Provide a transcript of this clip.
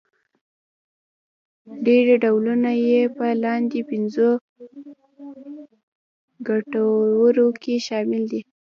ډېری ډولونه يې په لاندې پنځو کټګوریو کې شامل دي.